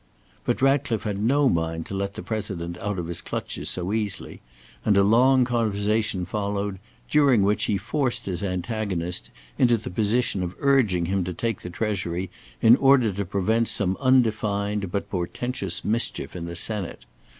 But Ratcliffe had no mind to let the President out of his clutches so easily, and a long conversation followed, during which he forced his antagonist into the position of urging him to take the Treasury in order to prevent some undefined but portentous mischief in the Senate.